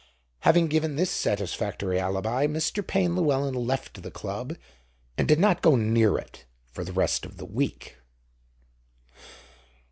Having given this satisfactory alibi, Mr. Payne Llewelyn left the club, and did not go near it for the rest of the week.